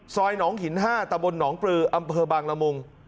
ซอยหนองหิน๕ตะบนหนองปลืออำเภอบางละมุง